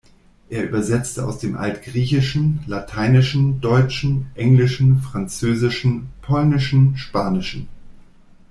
Er übersetzte aus dem Altgriechischen, Lateinischen, Deutschen, Englischen, Französischen, Polnischen, Spanischen.